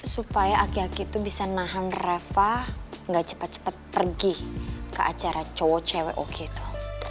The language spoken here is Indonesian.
supaya aki aki tuh bisa nahan reva gak cepet cepet pergi ke acara cowo cewe oke itu